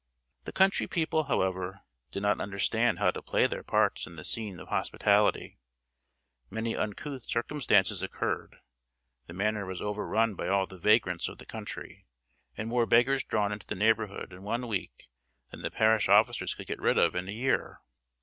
The country people, however, did not understand how to play their parts in the scene of hospitality; many uncouth circumstances occurred; the manor was overrun by all the vagrants of the country, and more beggars drawn into the neighbourhood in one week than the parish officers could get rid of in a year.